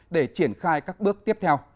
để triển khai các bước tiếp theo